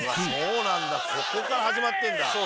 そこから始まってるんだ。